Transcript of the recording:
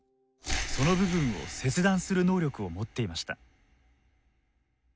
その部分を切断する能力を持っていました。